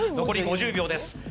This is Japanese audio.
残り５０秒です。